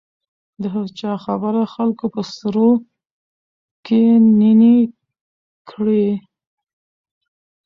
د هغه چا خبره خلکو په سروو کې يې نينې کړې .